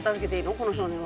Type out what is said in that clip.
この少年は。